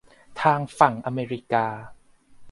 ทางฝั่งอเมริกา